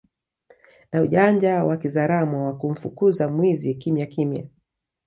na ujanja wa kizaramo wa kumfukuza mwizi kimyakimya